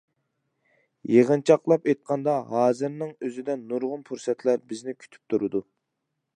يىغىنچاقلاپ ئېيتقاندا، ھازىرنىڭ ئۆزىدە نۇرغۇن پۇرسەتلەر بىزنى كۈتۈپ تۇرىدۇ.